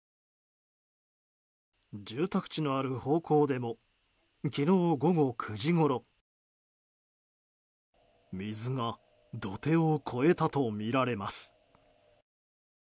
住宅地のある方向でも昨日午後９時ごろ水が土手を越えたとみられます。